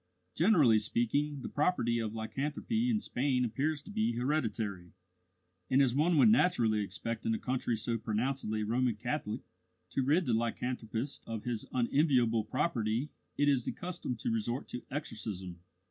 Generally speaking the property of lycanthropy in Spain appears to be hereditary; and, as one would naturally expect in a country so pronouncedly Roman Catholic, to rid the lycanthropist of his unenviable property it is the custom to resort to exorcism.